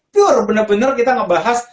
pure bener bener kita ngebahas